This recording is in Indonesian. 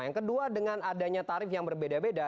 yang kedua dengan adanya tarif yang berbeda beda